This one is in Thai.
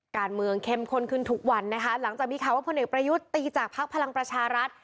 การเมืองเข้มข้นขึ้นทุกวันนะคะหลังจากมีข่าวว่าพลเอกประยุทธ์ตีจากภักดิ์พลังประชารัฐ